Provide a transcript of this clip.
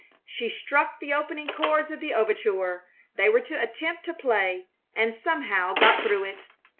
She struck the opening chords of the overture they were to attempt to play, and somehow got through it.